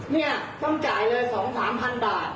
เนี่ยต้องจ่ายเลย๒๓๐๐บาท